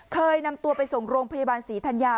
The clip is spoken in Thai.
เคยนำตัวไปส่งโรงพยาบาลศรีธัญญา